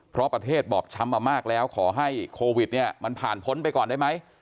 เพราะประเทศบอบช้ำมามากแล้วขอให้โควิดเนี่ยมันผ่านพ้นไปก่อนได้ไหม